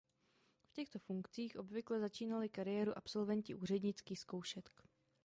V těchto funkcích obvykle začínali kariéru absolventi úřednických zkoušek.